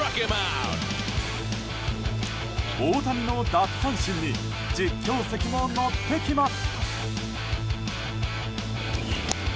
大谷の奪三振に実況席も乗ってきます。